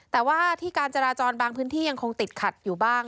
แต่ว่าที่การจราจรบางพื้นที่ยังคงติดขัดอยู่บ้าง